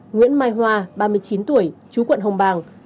nguyễn mai hoa ba mươi chín tuổi chú quận hồng bàng